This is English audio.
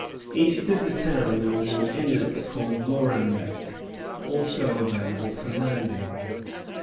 East of the town there was an inlet called Lorambec, also available for landing.